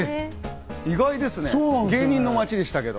意外ですね、芸人の街ですけど。